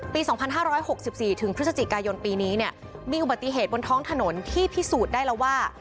ปี๒๕๖๔ถึงพฤศจิกายนปีนี้เนี่ยมีอุบัติเหตุบนท้องถนนที่พิสูจน์ได้แล้วว่า